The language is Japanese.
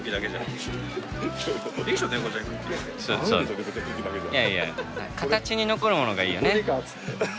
いやいや形に残るものがいいよね。